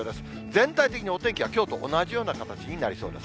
全体的にお天気はきょうと同じような形になりそうです。